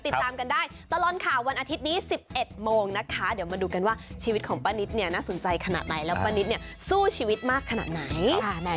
ติดตามกันได้ตลอดข่าววันอาทิตย์นี้๑๑โมงนะคะเดี๋ยวมาดูกันว่าชีวิตของป้านิตเนี่ยน่าสนใจขนาดไหนแล้วป้านิตเนี่ยสู้ชีวิตมากขนาดไหน